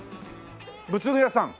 仏具屋さん？